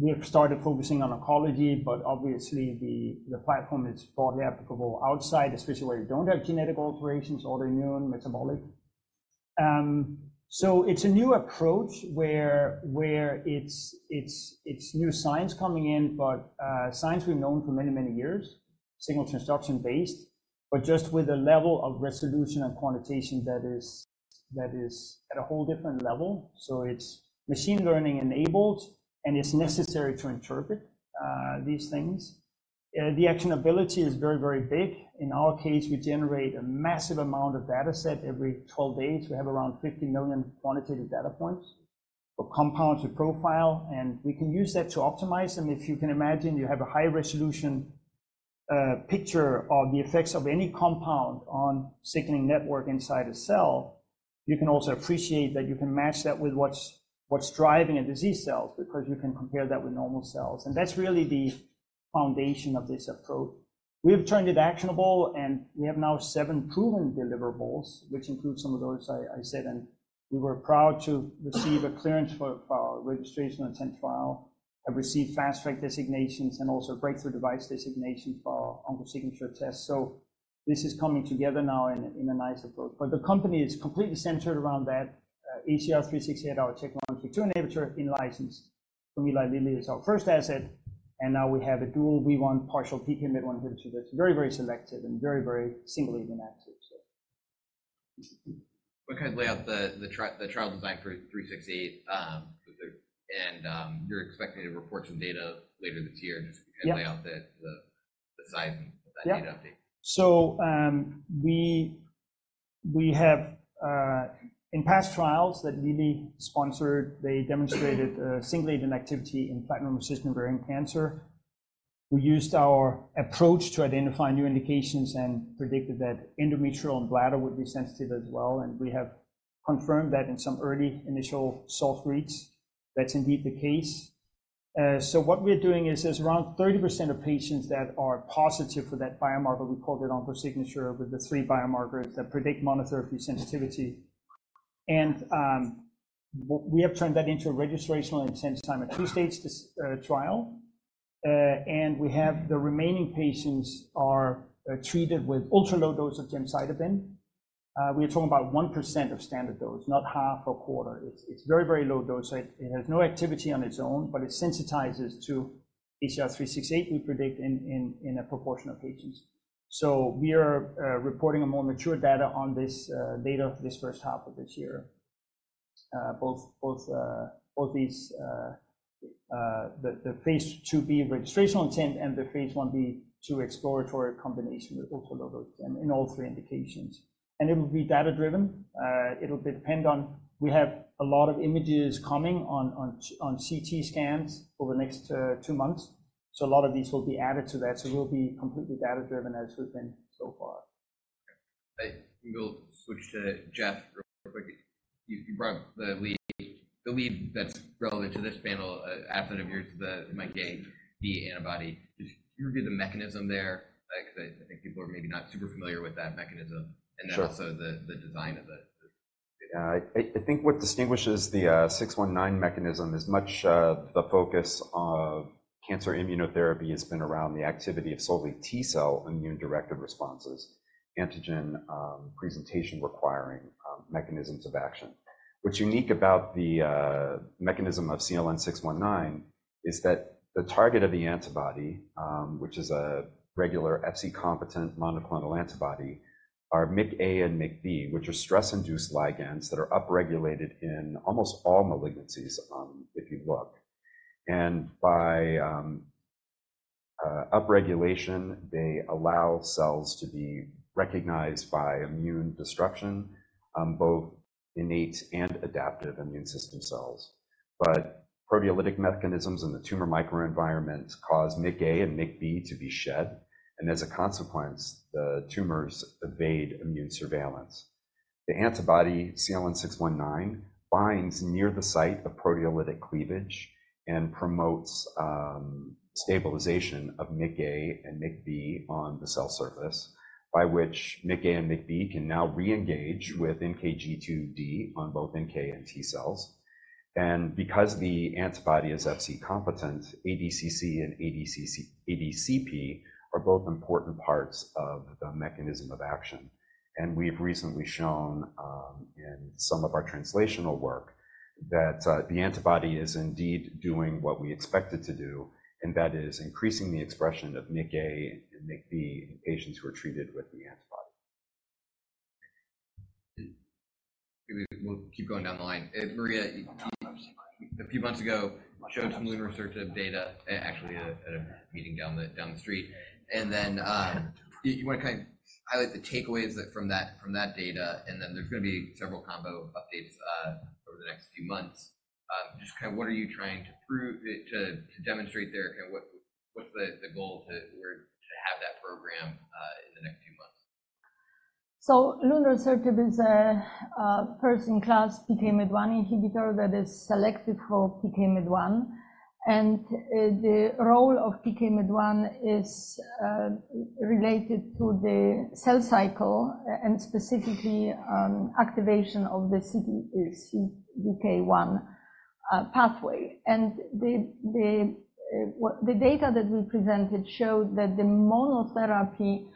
D: We have started focusing on oncology, but obviously, the platform is broadly applicable outside, especially where you don't have genetic alterations, autoimmune, metabolic. So it's a new approach where it's new science coming in, but science we've known for many, many years, signal construction-based, but just with a level of resolution and quantitation that is at a whole different level. So it's machine learning-enabled, and it's necessary to interpret these things. The actionability is very, very big. In our case, we generate a massive amount of dataset every 12 days. We have around 50 million quantitative data points for compounds with profile. And we can use that to optimize them. If you can imagine, you have a high-resolution picture of the effects of any compound on signaling network inside a cell, you can also appreciate that you can match that with what's driving a disease cell because you can compare that with normal cells. And that's really the foundation of this approach. We have turned it actionable, and we have now seven proven deliverables, which include some of those I said. We were proud to receive a clearance for our registration-enabling trial. I've received fast-track designations and also breakthrough device designations for our OncoSignature test. So this is coming together now in a nice approach. But the company is completely centered around that. ACR-368, our lead asset licensed from Eli Lilly, is our first asset. And now we have a dual WEE1 inhibitor in Phase 1/2 that's very, very selective and very, very single-agent active.
C: We're going to lay out the trial design for 368, and you're expecting to report some data later this year just to kind of lay out the size and that data update.
D: So we have in past trials that really sponsored, they demonstrated single-agent activity in platinum-resistant ovarian cancer. We used our approach to identify new indications and predicted that endometrial and bladder would be sensitive as well. And we have confirmed that in some early initial safety reads. That's indeed the case. So what we're doing is there's around 30% of patients that are positive for that biomarker. We call that OncoSignature with the three biomarkers that predict monotherapy sensitivity. And we have turned that into a registrational intent single and two-stage trial. And we have the remaining patients are treated with ultra-low dose of gemcitabine. We are talking about 1% of standard dose, not half or quarter. It's very, very low dose. It has no activity on its own, but it sensitizes to ACR-368, we predict, in a proportion of patients. We are reporting more mature data on this later this first half of this year, both the phase 2b registrational intent and the phase 1b to exploratory combination with ultra-low dose in all three indications. It will be data-driven. It'll depend on we have a lot of images coming on CT scans over the next two months. A lot of these will be added to that. We'll be completely data-driven as we've been so far.
C: I will switch to Jeff real quick. You brought the lead that's relevant to this panel after yours to the MICA antibody. Could you review the mechanism there? Because I think people are maybe not super familiar with that mechanism and then also the design of it.
F: Yeah. I think what distinguishes the CLN-619 mechanism is much of the focus of cancer immunotherapy has been around the activity of solely T-cell immune-directed responses, antigen presentation-requiring mechanisms of action. What's unique about the mechanism of CLN-619 is that the target of the antibody, which is a regular Fc-competent monoclonal antibody, are MICA and MICB, which are stress-induced ligands that are upregulated in almost all malignancies, if you look. And by upregulation, they allow cells to be recognized by immune disruption, both innate and adaptive immune system cells. But proteolytic mechanisms in the tumor microenvironment cause MICA and MICB to be shed. And as a consequence, the tumors evade immune surveillance. The antibody, CLN-619, binds near the site of proteolytic cleavage and promotes stabilization of MICA and MICB on the cell surface, by which MICA and MICB can now re-engage with NKG2D on both NK and T cells. Because the antibody is Fc-competent, ADCC and ADCP are both important parts of the mechanism of action. We've recently shown in some of our translational work that the antibody is indeed doing what we expected to do, and that is increasing the expression of MICA and MICB in patients who are treated with the antibody.
C: We'll keep going down the line. Maria, a few months ago, showed some lunresertib data, actually, at a meeting down the street. And then you want to kind of highlight the takeaways from that data. And then there's going to be several combo updates over the next few months. Just kind of what are you trying to prove to demonstrate there? Kind of what's the goal to have that program in the next few months? So lunresertib is a first-in-class PKMYT1 inhibitor that is selective for PKMYT1. And the role of PKMYT1 is related to the cell cycle and specifically activation of the CDK1 pathway. And the data that we presented showed that the monotherapy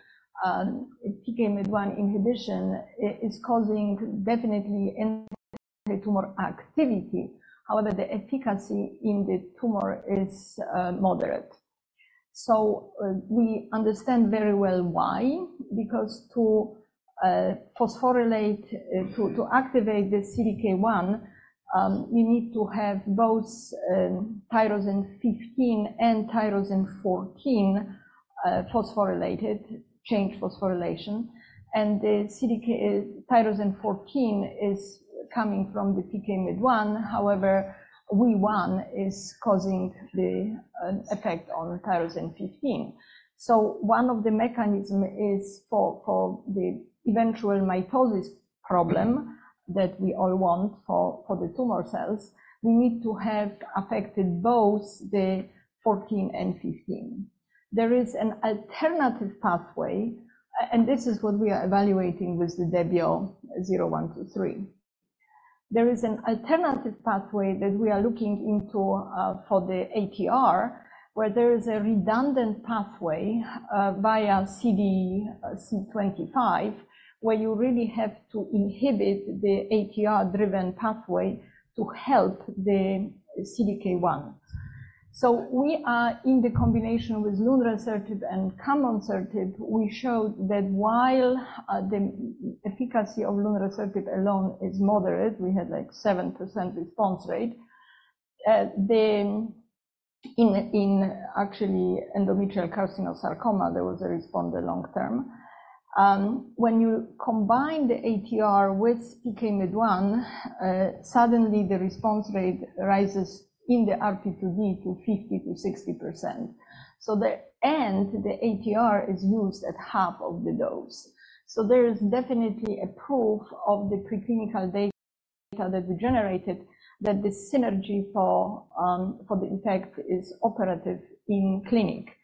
C: PKMYT1 inhibition is causing definitely in-tumor activity. However, the efficacy in the tumor is moderate. So we understand very well why. Because to activate the CDK1, you need to have both tyrosine 15 and tyrosine 14 phosphorylated, change phosphorylation. And the tyrosine 14 is coming from the PKMYT1. However, WEE1 is causing the effect on tyrosine 15. So one of the mechanisms is for the eventual mitosis problem that we all want for the tumor cells. We need to have affected both the 14 and 15. There is an alternative pathway, and this is what we are evaluating with the Debio 0123. There is an alternative pathway that we are looking into for the ATR, where there is a redundant pathway via CDC25 where you really have to inhibit the ATR-driven pathway to help the CDK1. So in the combination with lunresertib and camonsertib, we showed that while the efficacy of lunresertib alone is moderate, we had like 7% response rate. Actually, endometrial carcinosarcoma, there was a response the long term. When you combine the ATR with PKMYT1, suddenly the response rate rises in the RP2D to 50%-60%. So the ATR is used at half of the dose. So there is definitely a proof of the preclinical data that we generated that the synergy for the effect is operative in clinic.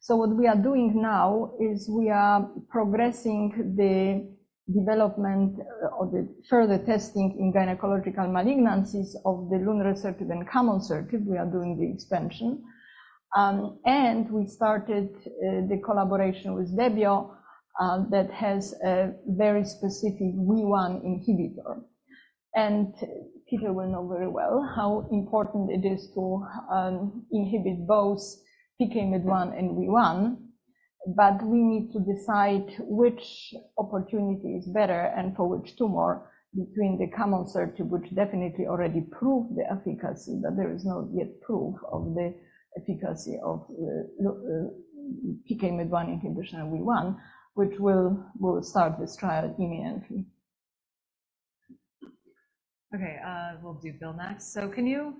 C: So what we are doing now is we are progressing the development of the further testing in gynecological malignancies of lunresertib and camonsertib. We are doing the expansion. We started the collaboration with Debio that has a very specific WEE1 inhibitor. Peter will know very well how important it is to inhibit both PKMYT1 and WEE1. We need to decide which opportunity is better and for which tumor between camonsertib, which definitely already proved the efficacy, but there is no yet proof of the efficacy of PKMYT1 inhibition and WEE1, which will start this trial imminently.
A: Okay. We'll do Bill next. So can you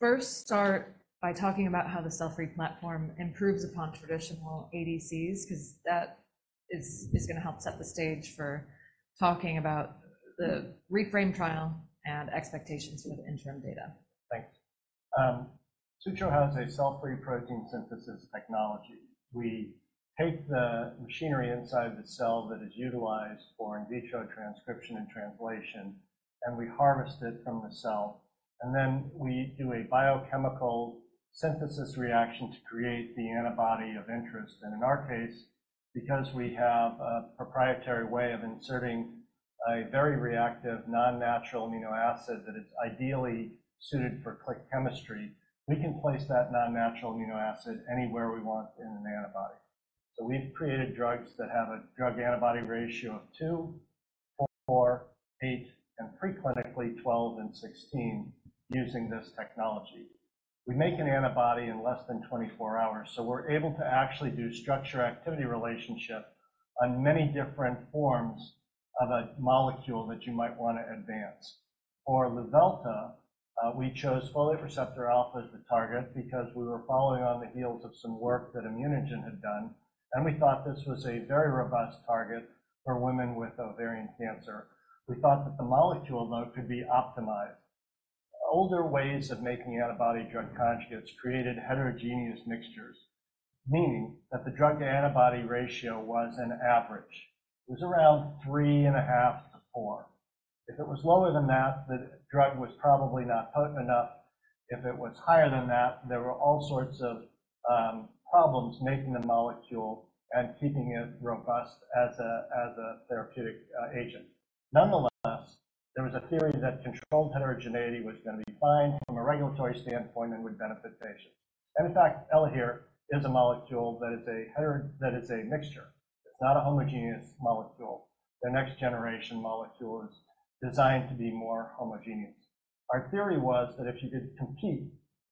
A: first start by talking about how the cell-free platform improves upon traditional ADCs? Because that is going to help set the stage for talking about the REFRaME trial and expectations with interim data.
E: Thanks. Sutro has a cell-free protein synthesis technology. We take the machinery inside the cell that is utilized for in vitro transcription and translation, and we harvest it from the cell. And then we do a biochemical synthesis reaction to create the antibody of interest. And in our case, because we have a proprietary way of inserting a very reactive non-natural amino acid that is ideally suited for click chemistry, we can place that non-natural amino acid anywhere we want in an antibody. So we've created drugs that have a drug-antibody ratio of 2, 4, 8, and preclinically 12 and 16 using this technology. We make an antibody in less than 24 hours. So we're able to actually do structure-activity relationship on many different forms of a molecule that you might want to advance. For Luvelta, we chose folate receptor alpha as the target because we were following on the heels of some work that ImmunoGen had done, and we thought this was a very robust target for women with ovarian cancer. We thought that the molecule, though, could be optimized. Older ways of making antibody-drug conjugates created heterogeneous mixtures, meaning that the drug-to-antibody ratio was an average. It was around 3.5-4. If it was lower than that, the drug was probably not potent enough. If it was higher than that, there were all sorts of problems making the molecule and keeping it robust as a therapeutic agent. Nonetheless, there was a theory that controlled heterogeneity was going to be fine from a regulatory standpoint and would benefit patients. And in fact, Elahere is a molecule that is a mixture. It's not a homogeneous molecule. The next generation molecule is designed to be more homogeneous. Our theory was that if you could compete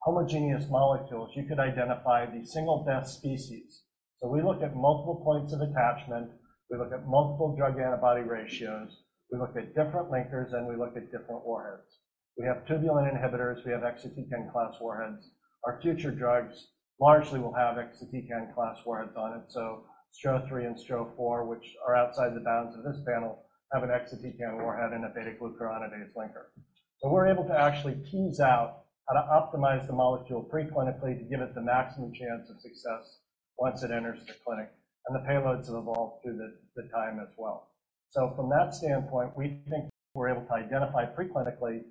E: homogeneous molecules, you could identify the single best species. So we look at multiple points of attachment. We look at multiple drug-antibody ratios. We look at different linkers, and we look at different warheads. We have tubulin inhibitors. We have exotic class warheads. Our future drugs largely will have exotic class warheads on it. So STRO-003 and STRO-004, which are outside the bounds of this panel, have an exotic warhead and a beta-glucuronidase linker. So we're able to actually tease out how to optimize the molecule preclinically to give it the maximum chance of success once it enters the clinic. And the payloads have evolved through the time as well. So from that standpoint, we think we're able to identify preclinically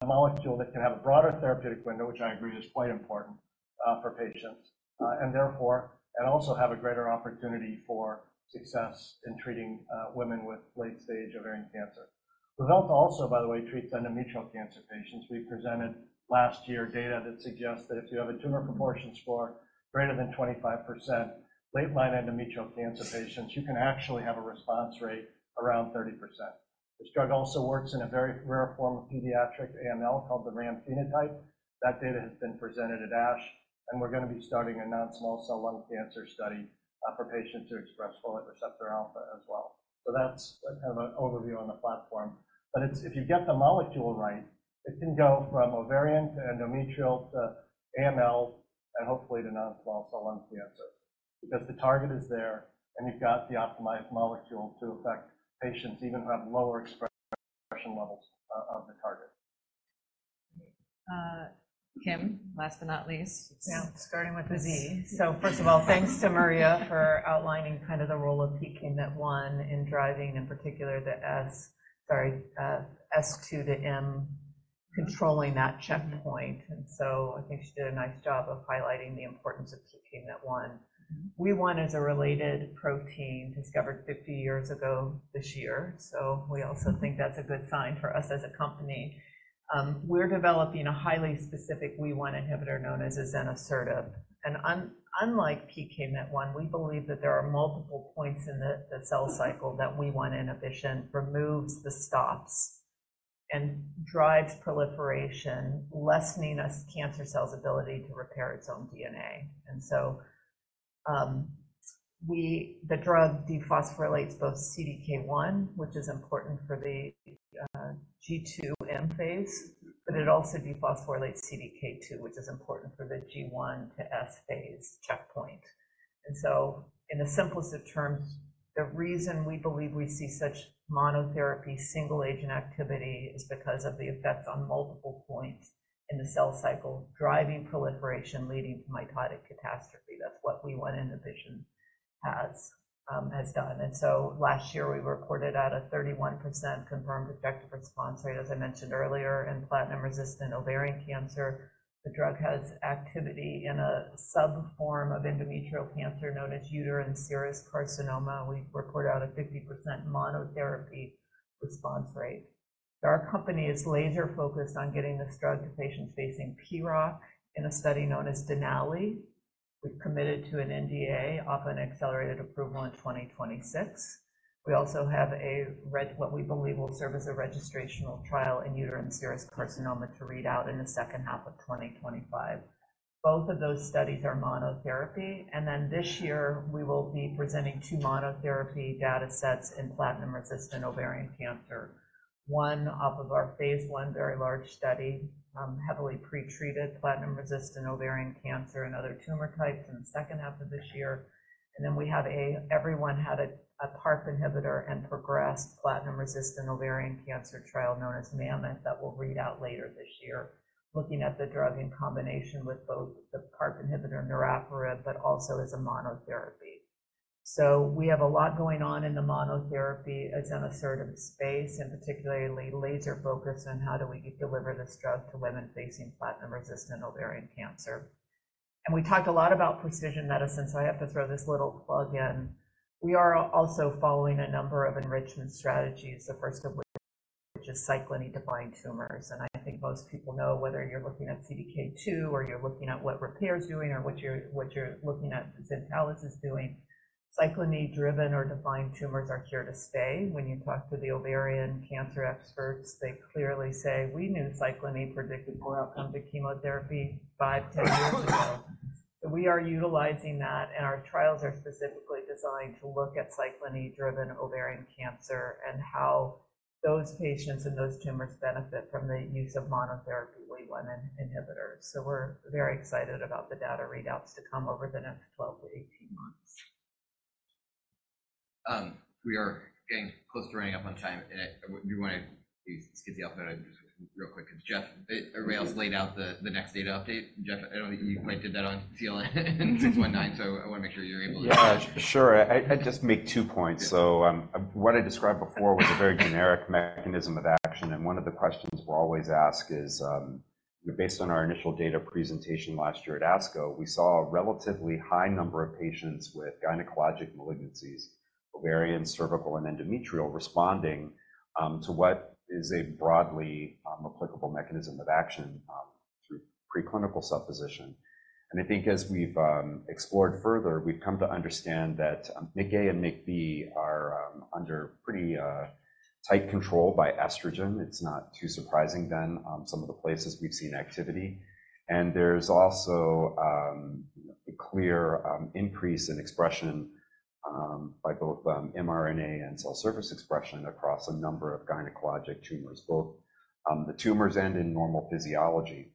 E: a molecule that can have a broader therapeutic window, which I agree is quite important for patients, and also have a greater opportunity for success in treating women with late-stage ovarian cancer. Luvelta also, by the way, treats endometrial cancer patients. We presented last year data that suggests that if you have a tumor proportion score greater than 25%, late-line endometrial cancer patients, you can actually have a response rate around 30%. This drug also works in a very rare form of pediatric AML called the RAM phenotype. That data has been presented at ASH, and we're going to be starting a non-small cell lung cancer study for patients who express folate receptor alpha as well. So that's kind of an overview on the platform. But if you get the molecule right, it can go from ovarian to endometrial to AML and hopefully to non-small cell lung cancer because the target is there, and you've got the optimized molecule to affect patients even who have lower expression levels of the target.
B: Kim, last but not least, starting with the Z. First of all, thanks to Maria for outlining kind of the role of PKMYT1 in driving, in particular, the S to M controlling that checkpoint. I think she did a nice job of highlighting the importance of PKMYT1. WEE1 is a related protein discovered 50 years ago this year. We also think that's a good sign for us as a company. We're developing a highly specific WEE1 inhibitor known as azenosertib. Unlike PKMYT1, we believe that there are multiple points in the cell cycle that WEE1 inhibition removes the stops and drives proliferation, lessening cancer cells' ability to repair its own DNA. The drug dephosphorylates both CDK1, which is important for the G2M phase, but it also dephosphorylates CDK2, which is important for the G1 to S phase checkpoint. In the simplest of terms, the reason we believe we see such monotherapy single-agent activity is because of the effects on multiple points in the cell cycle driving proliferation leading to mitotic catastrophe. That's what WEE1 inhibition has done. Last year, we reported out a 31% confirmed effective response rate, as I mentioned earlier, in platinum-resistant ovarian cancer. The drug has activity in a subtype of endometrial cancer known as uterine serous carcinoma. We report out a 50% monotherapy response rate. Our company is laser-focused on getting this drug to patients facing PROC in a study known as Denali. We've committed to an NDA for accelerated approval in 2026. We also have what we believe will serve as a registrational trial in uterine serous carcinoma to read out in the second half of 2025. Both of those studies are monotherapy. And then this year, we will be presenting two monotherapy data sets in platinum-resistant ovarian cancer, one off of our phase 1 very large study, heavily pretreated platinum-resistant ovarian cancer and other tumor types in the second half of this year. And then we have everyone had a PARP inhibitor and progressed platinum-resistant ovarian cancer trial known as Mammoth that will read out later this year, looking at the drug in combination with both the PARP inhibitor and niraparib, but also as a monotherapy. So we have a lot going on in the monotherapy azenosertib space, and particularly laser-focused on how do we deliver this drug to women facing platinum-resistant ovarian cancer. And we talked a lot about precision medicine. So I have to throw this little plug in. We are also following a number of enrichment strategies, the first of which is CCNE1-defined tumors. I think most people know whether you're looking at CDK2 or you're looking at what Repare is doing or what you're looking at Zentalis is doing. CCNE1-driven or defined tumors are here to stay. When you talk to the ovarian cancer experts, they clearly say, "We knew CCNE1 predicted poor outcomes of chemotherapy five, 10 years ago." So we are utilizing that, and our trials are specifically designed to look at CCNE1-driven ovarian cancer and how those patients and those tumors benefit from the use of monotherapy WEE1 inhibitors. So we're very excited about the data readouts to come over the next 12-18 months.
G: We are getting close to running up on time. Do you want to skip the alphabet real quick? Jeff already laid out the next data update. Jeff, I know you already did that on CLN-619, so I want to make sure you're able to.
F: Yeah, sure. I'd just make two points. So what I described before was a very generic mechanism of action. And one of the questions we'll always ask is, based on our initial data presentation last year at ASCO, we saw a relatively high number of patients with gynecologic malignancies, ovarian, cervical, and endometrial, responding to what is a broadly applicable mechanism of action through preclinical supposition. And I think as we've explored further, we've come to understand that MICA and MICB are under pretty tight control by estrogen. It's not too surprising then some of the places we've seen activity. And there's also a clear increase in expression by both mRNA and cell surface expression across a number of gynecologic tumors, both the tumors and in normal physiology.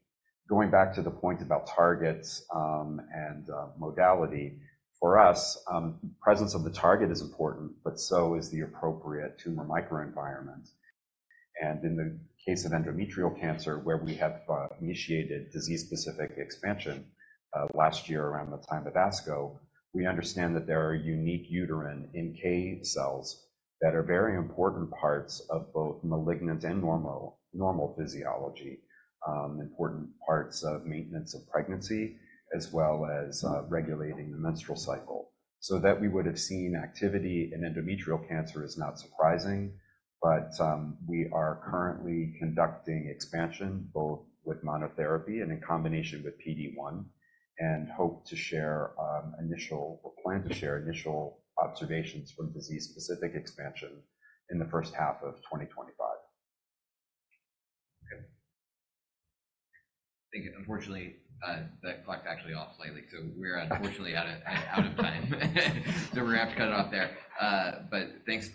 F: Going back to the point about targets and modality, for us, the presence of the target is important, but so is the appropriate tumor microenvironment. In the case of endometrial cancer, where we have initiated disease-specific expansion last year around the time of ASCO, we understand that there are unique uterine NK cells that are very important parts of both malignant and normal physiology, important parts of maintenance of pregnancy, as well as regulating the menstrual cycle. So that we would have seen activity in endometrial cancer is not surprising. But we are currently conducting expansion both with monotherapy and in combination with PD1 and hope to share initial or plan to share initial observations from disease-specific expansion in the first half of 2025.
G: Thank you. Unfortunately, the clock's actually off slightly. So we're unfortunately out of time. So we're going to have to cut it off there. But thanks.